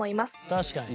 確かに。